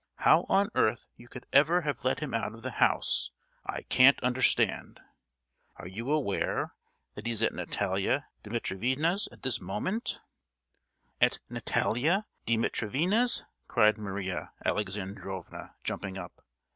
How on earth you could ever have let him out of the house, I can't understand! Are you aware that he's at Natalia Dimitrievna's at this moment?" "At Natalia Dimitrievna's?" cried Maria Alexandrovna jumping up.